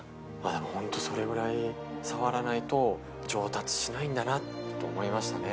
でも本当にそれぐらい触らないと、上達しないんだなと思いましたね。